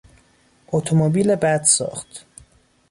اتومبیل بد ساخت